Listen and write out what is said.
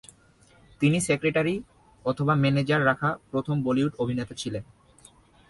তিনি সেক্রেটারি/ম্যানেজার রাখা প্রথম বলিউড অভিনেতা ছিলেন।